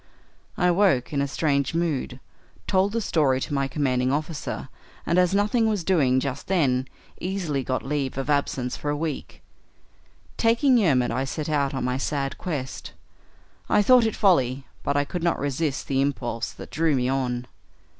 I woke in a strange mood, told the story to my commanding officer, and, as nothing was doing just then, easily got leave of absence for a week. Taking Yermid, I set out on my sad quest. I thought it folly, but I could not resist the impulse that drew me on.